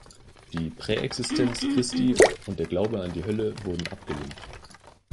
Die Präexistenz Christi und der Glaube an die Hölle wurden abgelehnt.